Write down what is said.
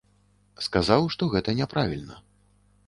Сказаў, што гэта няправільна.